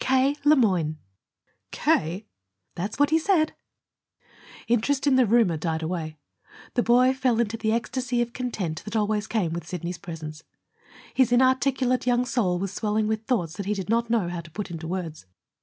"K. Le Moyne." "K.?" "That's what he said." Interest in the roomer died away. The boy fell into the ecstasy of content that always came with Sidney's presence. His inarticulate young soul was swelling with thoughts that he did not know how to put into words.